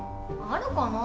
あるかな？